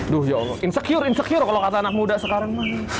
duh ya allah insecure insecure kalau kata anak muda sekarang